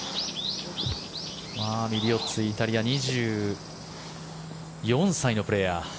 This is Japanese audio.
ミリオッツィ、イタリア２４歳のプレーヤー。